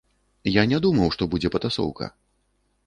Я не думаў, што будзе патасоўка.